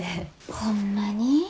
ホンマに？